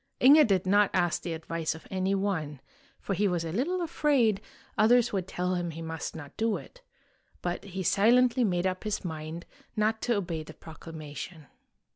Inge did not ask the advice of any one, for he was a little afraid others would tell him he must not do it; but he silently made up his mind not to obey the proclamation.